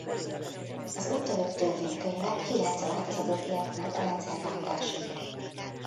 Az úttörők törvénykönyve kilenc változatot ért meg a rendszerváltásig.